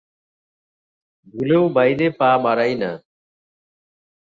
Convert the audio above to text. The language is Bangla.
ভুলেও বাইরে পা বাড়াই না।